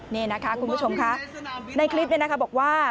นี่นะคะคุณผู้ชมค่ะในคลิปนี้นะคะบอกว่า